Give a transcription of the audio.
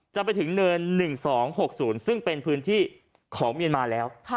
จะไปถึงเนิน๑๒๖๐ซึ่งเป็นพื้นที่ของเมียนมาแล้ว